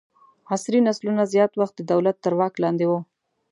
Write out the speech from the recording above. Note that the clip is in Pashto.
عصري نسلونه زیات وخت د دولت تر واک لاندې وو.